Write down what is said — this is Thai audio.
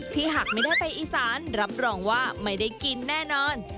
หากไม่ได้ไปอีสานรับรองว่าไม่ได้กินแน่นอน